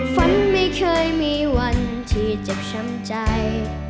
ฝันไม่เคยมีวันที่เจ็บช้ำใจ